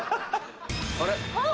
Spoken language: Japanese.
あれ？